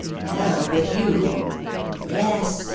Hell with you? Yes!"